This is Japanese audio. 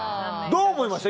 どう思いました？